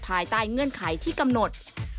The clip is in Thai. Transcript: ภายใต้เงื่อนไขที่กำหนด